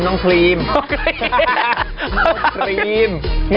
น้องครีม